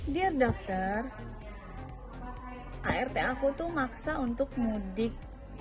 dear dokter art aku tuh maksa untuk mudik